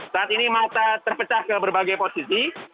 saat ini mata terpecah ke berbagai posisi